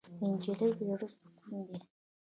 نجلۍ د زړه سکون دی.